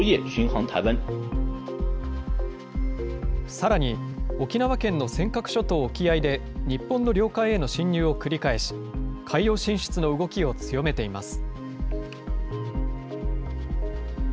さらに沖縄県の尖閣諸島沖合で、日本の領海への侵入を繰り返し、海洋進出の動きを強めています。